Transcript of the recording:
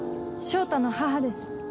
翔太の母です。